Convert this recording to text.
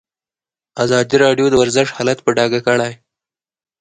ازادي راډیو د ورزش حالت په ډاګه کړی.